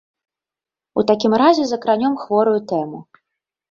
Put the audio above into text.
У такім разе закранём хворую тэму.